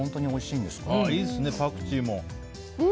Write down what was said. いいですね、パクチーも。